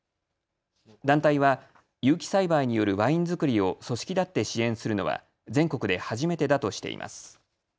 団体は有機栽培によるワイン造りを組織だって支援するのは全国で初めてだとしています。